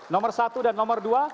nomor satu dan nomor dua